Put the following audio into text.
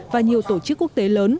và nhiều tổ chức quốc tế lớn